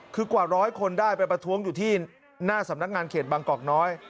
คือกว่าร้อยคนได้ไปประท้วงอยู่ที่หน้าสำนักงานเขตบางกอกน้อย